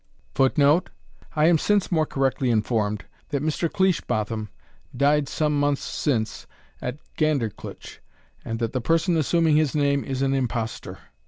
[Footnote: I am since more correctly informed, that Mr. Cleishbotham died some months since at Gandercleuch, and that the person assuming his name is an impostor.